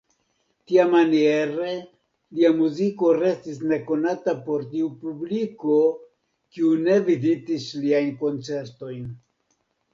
Tiamaniere lia muziko restis nekonata por tiu publiko, kiu ne vizitis liajn koncertojn.